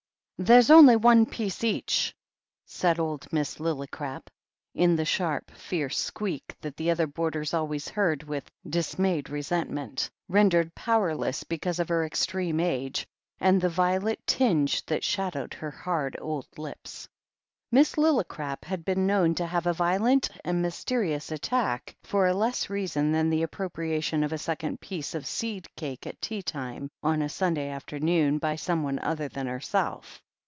X "There's only one piece each," said old Miss Lilli crap, in the sharp, fierce squeak that the other boarders always heard with dismayed resentment, rendered powerless because of her extreme age, and the violet tinge that shadowed her hard old lips. Miss Lillicrap had been known to have a violent and mysterious "attack" for a less reason than the appropriation of a second piece of seed cake at tea*time on a Sunday afternoon by someone other than herself.